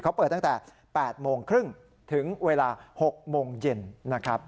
เขาเปิดตั้งแต่๘โมงครึ่งถึงเวลา๖โมงเย็นนะครับ